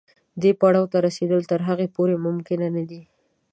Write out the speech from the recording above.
دې پړاو ته رسېدل تر هغې پورې ممکن نه دي.